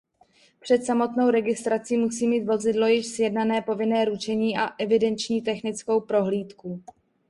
Před samotnou registrací musí mít vozidlo již sjednané povinné ručení a evidenční technickou prohlídku.